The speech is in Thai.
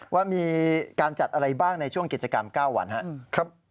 ว่ามีการจัดอะไรบ้างในช่วงกิจกรรม๙วันครับ